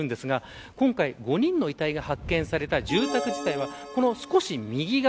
今回５人の遺体が発見された住宅はこの少し右側